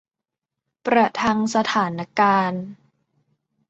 ประทังสถานการณ์